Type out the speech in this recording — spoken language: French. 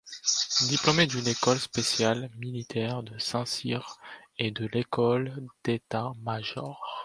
Diplômé de l'École spéciale militaire de Saint-Cyr et de l'École d'État-Major.